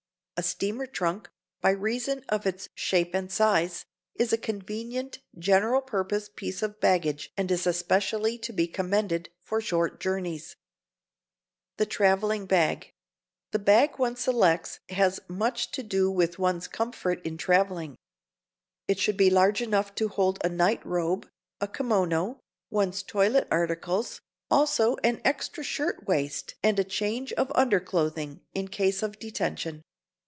A steamer trunk, by reason of its shape and size, is a convenient general purpose piece of baggage and is especially to be commended for short journeys. [Sidenote: THE TRAVELING BAG] The bag one selects has much to do with one's comfort in traveling. It should be large enough to hold a nightrobe, a kimono, one's toilet articles, also an extra shirt waist and a change of underclothing in case of detention.